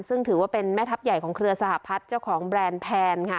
ซึ่งถือว่าเป็นแม่ทัพใหญ่ของเครือสหพัฒน์เจ้าของแบรนด์แพนค่ะ